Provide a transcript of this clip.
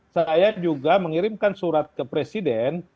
saya juga mengirimkan surat ke presiden